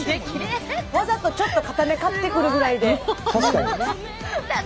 わざとちょっと硬め買ってくるぐらいでいいもんね。